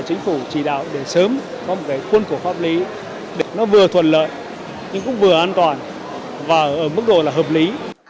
chính phủ chỉ đạo để sớm có một cái khuôn khổ pháp lý để nó vừa thuận lợi nhưng cũng vừa an toàn và ở mức độ là hợp lý